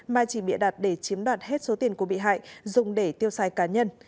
mà chỉ bịa đặt để chiếm đoạt hết số tiền của bị hại dùng để tiêu xài cá nhân